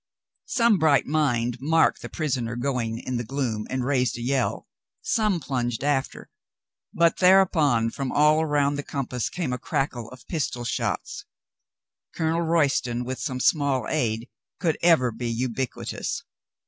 Some bright mind marked the prisoner going in the gloom and raised a yell, some plunged after, but thereupon from all round the compass came a crackle of pistol shots. Colonel Royston, with some small aid, could ever be ubiquitous.